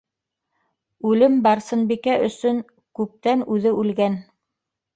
Үлем Барсынбикә өсөн күптән үҙе үлгән.